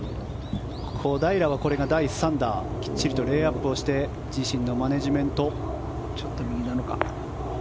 小平はこれが第３打きっちりとレイアップをしてちょっと右なのか。